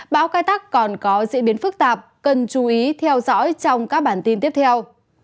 bão cai tắc còn có diễn biến phức tạp cần chú ý theo dõi trong các bản tin tiếp theo